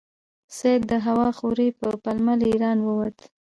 سید د هوا خورۍ په پلمه له ایرانه ووت.